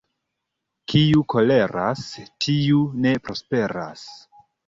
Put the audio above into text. Kiu koleras, tiu ne prosperas.